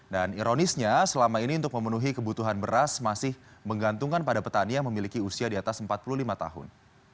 dan ironisnya selama ini untuk memenuhi kebutuhan beras masih menggantungkan pada petani yang memiliki usia di atas empat puluh lima tahun